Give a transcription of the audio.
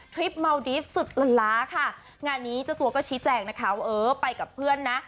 เมาดีฟสุดละล้าค่ะงานนี้เจ้าตัวก็ชี้แจงนะคะว่าเออไปกับเพื่อนนะ